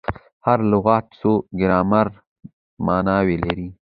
هر لغت څو ګرامري ماناوي لري.